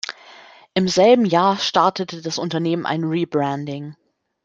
Im selben Jahr startete das Unternehmen ein Rebranding.